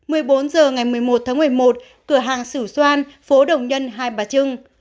một mươi bốn h ngày một mươi một tháng một mươi một cửa hàng sử xoan phố đồng nhân hai bà trưng